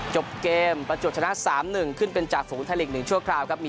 จบเกมประจวดชนะสามหนึ่งขึ้นเป็นจากฝูงไทยลีกส์หนึ่งชั่วคราวครับ